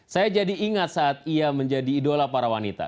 saya jadi ingat saat ia menjadi idola para wanita